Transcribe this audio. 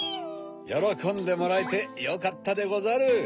よろこんでもらえてよかったでござる。